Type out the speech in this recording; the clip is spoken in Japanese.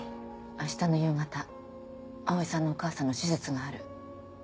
明日の夕方葵さんのお母さんの手術がある。